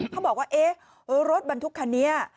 เขาบอกว่าเอ๊ะรถบรรทุกคันนี้